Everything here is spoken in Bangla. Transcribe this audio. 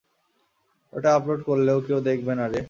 ওটা আপলোড করলেও কেউ দেখবে না, রে।